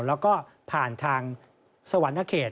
แล้วก็ผ่านทางสวรรค์นาเกษ